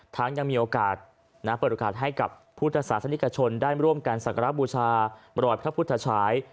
ยังมีโอกาสเปิดโอกาสให้กับพุทธศาสนิกชนได้ร่วมกันสักการะบูชามรอยพระพุทธชาย